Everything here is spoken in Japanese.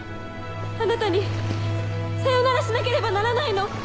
あなたにさよならしなければならないの。